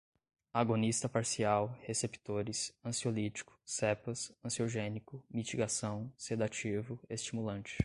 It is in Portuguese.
agonista parcial, receptores, ansiolítico, cepas, ansiogênico, mitigação, sedativo, estimulante